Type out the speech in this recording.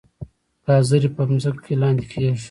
ګازرې په ځمکه کې لاندې کیږي